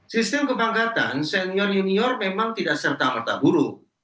sistem kepangkatan senior junior memang tidak serta merta buruk